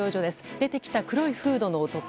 出てきた黒いフードの男。